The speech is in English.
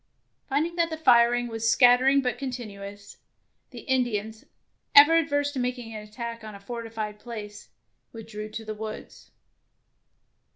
Finding that the firing was scatter ing but continuous, the Indians, ever averse to making an attack on a for tified place, withdrew to the woods.